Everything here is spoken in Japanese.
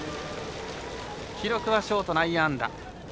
記録はショート内野安打。